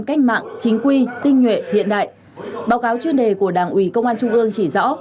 cách mạng chính quy tinh nhuệ hiện đại báo cáo chuyên đề của đảng ủy công an trung ương chỉ rõ